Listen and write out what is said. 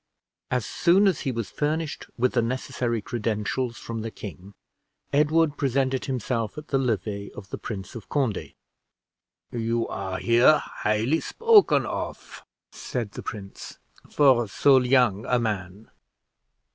As soon as he was furnished with the necessary credentials from the king, Edward presented himself at the levee of the Prince of Conde. "You are here highly spoken of," said the prince, "for so young a man.